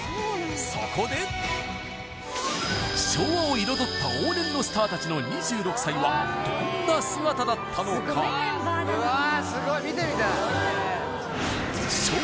そこで昭和を彩った往年のスターたちの２６歳はどんな姿だったのかうわ